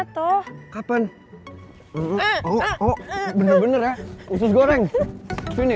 tapi tetep aja dia ngacangin gue